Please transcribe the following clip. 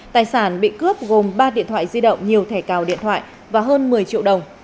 tài sản bị cướp gồm ba điện thoại di động nhiều thẻ cào điện thoại và hơn một mươi triệu đồng